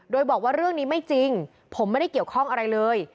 โดยบอกว่าเรื่องนี้ไม่จริงผมไม่ได้เกี่ยวข้องอะไรเลย